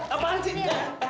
apaan sih ini